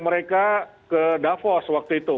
mereka ke davos waktu itu